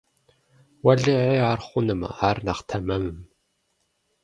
Уэлэхьи ар хъуным, ар нэхъ тэмэмым.